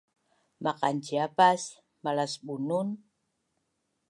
Maqanciap as malasBunun?